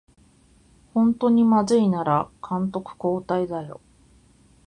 ほんとにまずいなら監督交代だよ